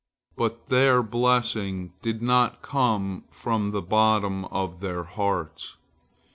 But their blessings did not come from the bottom of their hearts.